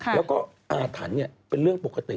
แล้วก็อาถรรพ์เป็นเรื่องปกติ